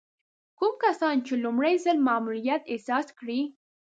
کوم کسان چې لومړی ځل معلوليت احساس کړي.